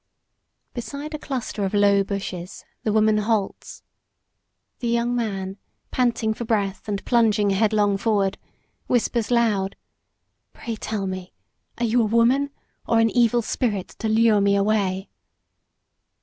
Beside a cluster of low bushes the woman halts. The young man, panting for breath and plunging headlong forward, whispers loud, "Pray tell me, are you a woman or an evil spirit to lure me away?"